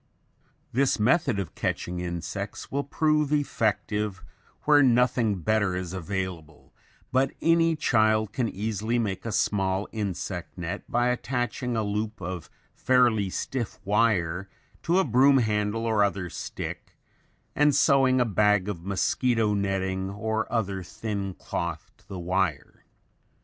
] This method of catching insects will prove effective where nothing better is available, but any child can easily make a small insect net by attaching a loop of fairly stiff wire to a broom handle or other stick and sewing a bag of mosquito netting or other thin cloth to the wire.